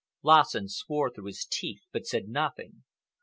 Lassen swore through his teeth but said nothing.